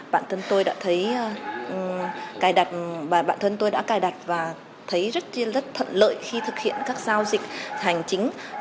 bản thân tôi đã cài đặt và thấy rất thận lợi khi thực hiện các giao dịch hành chính